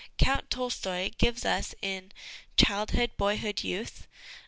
Count Tolstoi gives us, in Childhood, Boyhood, Youth?